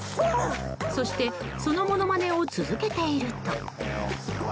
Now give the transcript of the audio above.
そして、そのものまねを続けていると。